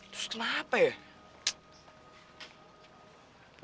terus kenapa ya